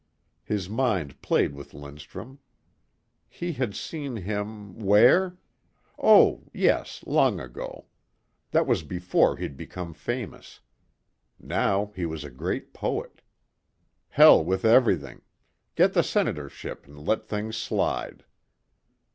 His mind played with Lindstrum. He had seen him where? Oh yes, long ago. That was before he'd become famous. Now he was a great poet. Hell with everything.... Get the senatorship and let things slide.